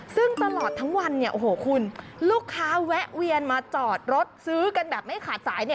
ซึ่งตลอดทั้งวันเนี่ยโอ้โหคุณลูกค้าแวะเวียนมาจอดรถซื้อกันแบบไม่ขาดสายเนี่ย